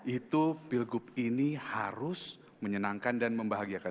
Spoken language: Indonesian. itu pilgub ini harus menyenangkan dan membahagiakan